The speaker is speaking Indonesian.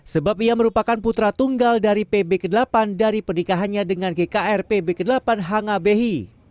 sebab ia merupakan putra tunggal dari pb viii dari pernikahannya dengan gkr pb viii hangabehi